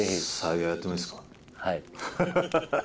はい。